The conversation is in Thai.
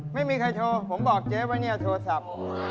ไม่มีใครโทรผมบอกเจ๊ไว้เนี่ยโทรศัพท์